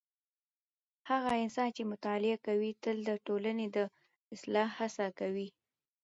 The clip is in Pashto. هغه کسان چې مطالعه کوي تل د ټولنې د اصلاح هڅه کوي.